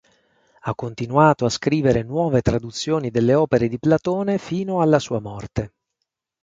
Ha continuato a scrivere nuove traduzioni delle opere di Platone fino alla sua morte.